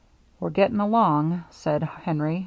"We're getting along," said Henry.